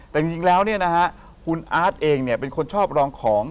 แต่จริงแล้วคุณอาร์ดเองเป็นคนชอบรองของ